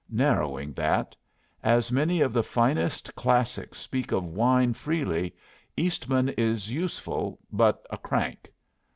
Narrowing, that; as many of the finest classics speak of wine freely. Eastman is useful, but a crank.